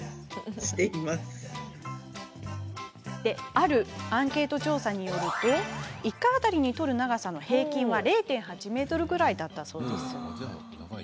あるアンケート調査によると１回当たりに取る長さは平均０．８ｍだったそうです。